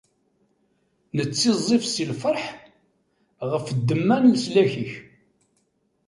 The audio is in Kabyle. Nettiẓẓif si lferḥ ɣef ddemma n leslak-ik.